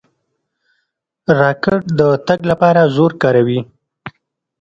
راکټ د تګ لپاره زور کاروي.